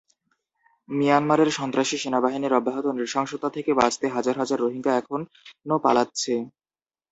মিয়ানমারের সন্ত্রাসী সেনাবাহিনীর অব্যাহত নৃশংসতা থেকে বাঁচতে হাজার হাজার রোহিঙ্গা এখনো পালাচ্ছে।